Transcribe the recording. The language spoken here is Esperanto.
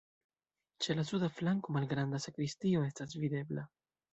Ĉe la suda flanko malgranda sakristio estas videbla.